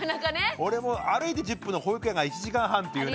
俺も歩いて１０分の保育園が１時間半っていうね。